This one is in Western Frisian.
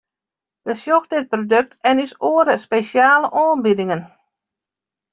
Besjoch dit produkt en ús oare spesjale oanbiedingen!